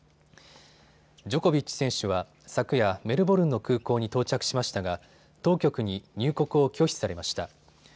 ジョコビッチ選手は昨夜、メルボルンの空港に到着しましたが当局に入国を拒否されました。